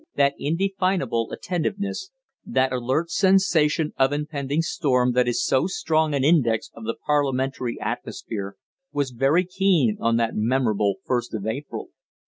That indefinable attentiveness, that alert sensation of impending storm. that is so strong an index of the parliamentary atmosphere was very keen on that memorable first of April.